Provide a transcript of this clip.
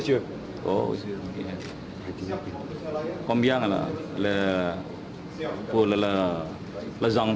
berapa juta rupiah untuk keluarga